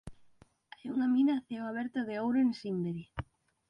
Hai unha mina a ceo aberto de ouro en Simberi.